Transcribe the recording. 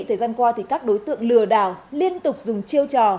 thời gian qua thì các đối tượng lừa đảo liên tục dùng chiêu trò